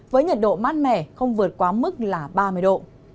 với nhiệt độ mát mẻ không vượt quá mức là ba mươi độ